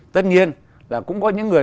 tất nhiên là cũng có những người